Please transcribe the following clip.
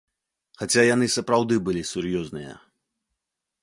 Хаця яны сапраўды былі сур'ёзныя.